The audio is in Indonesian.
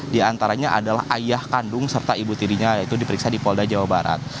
di antaranya adalah ayah kandung serta ibu tirinya yaitu diperiksa di polda jawa barat